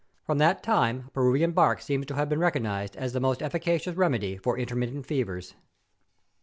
From that time Peruvian bark seems to have been recognised as the most efficacious remedy for intermittent fevers.